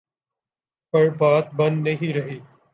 پر بات بن نہیں رہی۔